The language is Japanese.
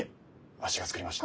わしが造りました。